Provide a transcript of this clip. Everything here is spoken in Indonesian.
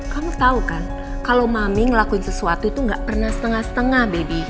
kamu tau kan kalau mami ngelakuin sesuatu itu gak pernah setengah setengah baby